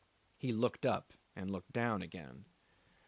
He looked up and looked down again.